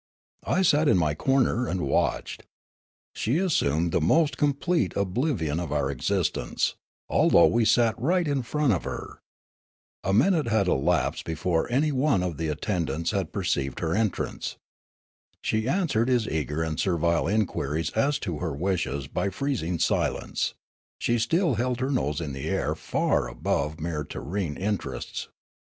I sat in my corner and watched. She assumed the most complete oblivion of our existence, although we sat right in front of her. A minute had elapsed before any one of the attendants had perceived her entrance. She an swered his eager and servile inquiries as to her wishes by freezing silence ; she still held her nose in the air far above mere terrene interests.